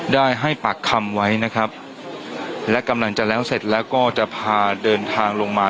ได้ให้ปากคำไว้นะครับและกำลังจะแล้วเสร็จแล้วก็จะพาเดินทางลงมา